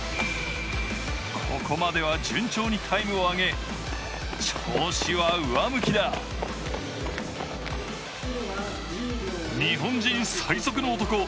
ここまでは順調にタイムを上げ調子は上向きだ日本人最速の男